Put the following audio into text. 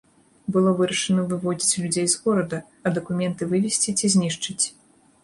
Было вырашана выводзіць людзей з горада, а дакументы вывезці ці знішчыць.